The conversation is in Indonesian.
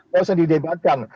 tidak usah didebatkan